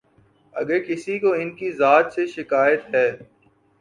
اگر کسی کو ان کی ذات سے شکایت ہے۔